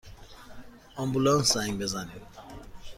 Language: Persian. آمبولانس زنگ بزنید!